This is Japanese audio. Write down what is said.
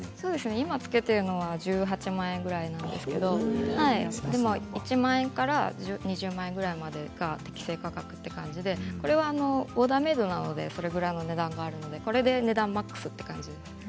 今着けてるのは１８万円ぐらいなんですけれども１万円から２０万円くらいまでが適正価格という感じでこれはオーダーメードなのでそのぐらいの値段がするんですがこれで値段マックスという感じです。